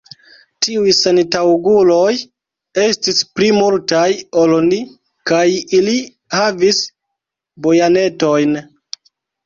Tiuj sentaŭguloj estis pli multaj ol ni, kaj ili havis bajonetojn.